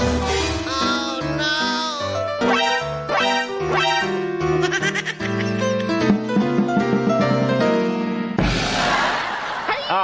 เอ้า